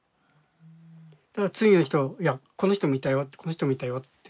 そしたら次の人いやこの人もいたよこの人もいたよって。